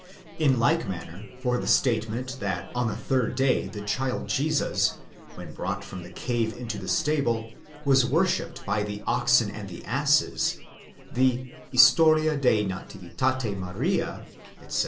In like manner, for the statement that on the third day the child Jesus, when brought from the cave into the stable, was worshipped by the oxen and the asses, the Historia de Nativitate Mariae,® etc.